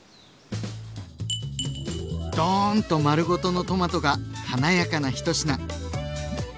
ドーンと丸ごとのトマトが華やかな一品。